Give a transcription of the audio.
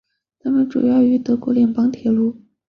它们主要由德国联邦铁路。